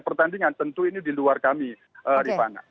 pertandingan tentu ini di luar kami rifana